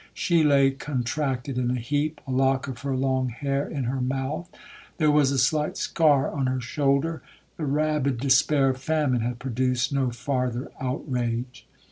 She lay contracted in a heap, a lock of her long hair in her mouth. There was a slight scar on her shoulder,—the rabid despair of famine had produced no farther outrage.